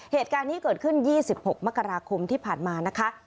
เหตุการณ์นี้เกิดขึ้น๒๖มกราคมที่ผ่านมานะคะ